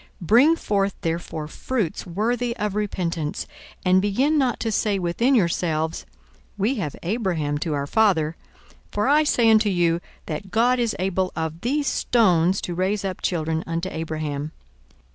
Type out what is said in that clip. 42:003:008 Bring forth therefore fruits worthy of repentance, and begin not to say within yourselves, We have Abraham to our father: for I say unto you, That God is able of these stones to raise up children unto Abraham.